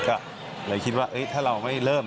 ก็เลยคิดว่าถ้าเราไม่เริ่ม